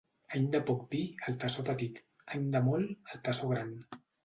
Any de poc vi, el tassó petit; any de molt, el tassó gran.